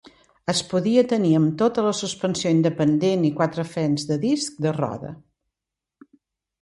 Es podia tenir amb tota la suspensió independent i quatre frens de disc de roda.